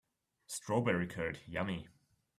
Strawberry curd, yummy!